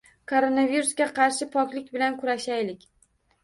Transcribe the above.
Koronavirusga qarshi poklik bilan kurashaylik!